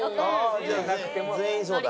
じゃあ全員そうだ。